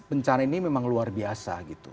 bencana ini memang luar biasa gitu